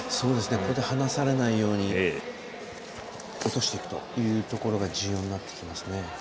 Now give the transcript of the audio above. ここで離されないように落としていくというところが重要になってきますね。